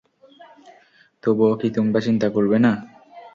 তবুও কি তোমরা চিন্তা করবে না?